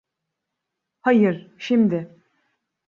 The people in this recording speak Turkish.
Hayır, şimdi.